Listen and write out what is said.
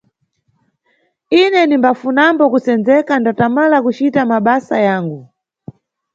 Ine nimbafunambo kusendzeka ndatamala kucita mabasa yangu.